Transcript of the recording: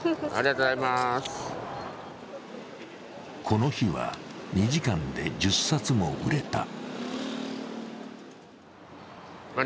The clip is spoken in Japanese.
この日は、２時間で１０冊も売れた。